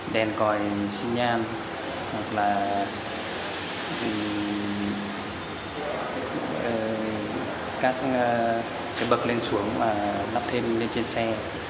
đèn còi sinh nhan hoặc là các bậc lên xuống và lắp thêm lên trên xe